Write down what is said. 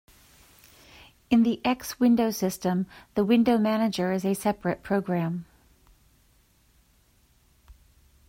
In the X Window System, the window manager is a separate program.